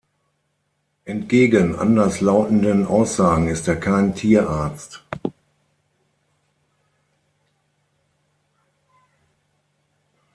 Entgegen anders lautenden Aussagen ist er kein Tierarzt.